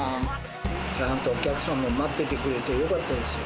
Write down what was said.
ちゃんとお客さんも待っててくれてよかったですよ。